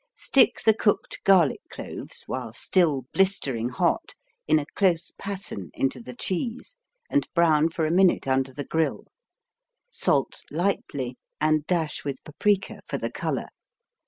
Stick the cooked garlic cloves, while still blistering hot, in a close pattern into the cheese and brown for a minute under the grill. Salt lightly and dash with paprika for the color.